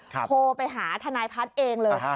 โทรไปหาทนายพัฒน์เองเลย